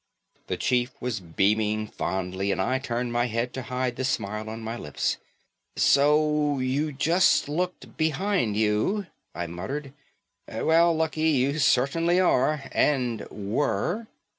The chief was beaming fondly and I turned my head to hide the smile on my lips. "So you just looked behind you," I muttered. "Well, Lucky, you certainly are and were."